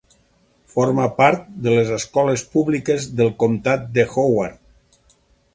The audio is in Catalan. Forma part de les escoles públiques del comptat de Howard.